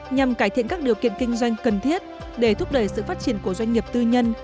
nhằm cải thiện các điều kiện kinh doanh cần thiết để thúc đẩy sự phát triển của doanh nghiệp tư nhân